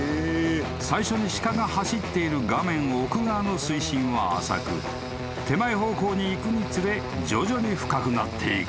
［最初に鹿が走っている画面奥側の水深は浅く手前方向に行くにつれ徐々に深くなっていく］